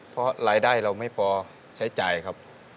เพราะรายได้เราไม่พอใช้จ่ายครับ